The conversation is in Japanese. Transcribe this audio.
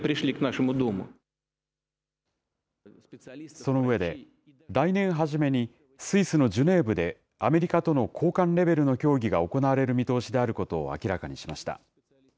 その上で、来年初めにスイスのジュネーブで、アメリカとの高官レベルの協議が行われる見通しであることを明らかにしました。